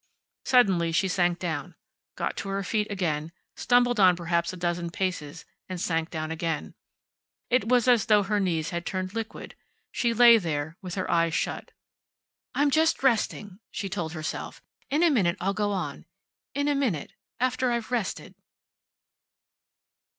Suddenly she sank down, got to her feet again, stumbled on perhaps a dozen paces, and sank down again. It was as though her knees had turned liquid. She lay there, with her eyes shut. "I'm just resting," she told herself. "In a minute I'll go on. In a minute. After I've rested."